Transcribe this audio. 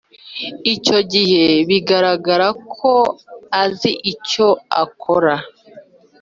icyo gihe bigaragara ko azi icyo akora